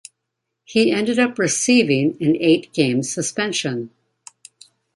He ended up receiving an eight-game suspension.